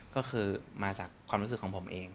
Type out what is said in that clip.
ก็คือมาจากความรู้สึกของผมเอง